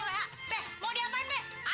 anggur gini buah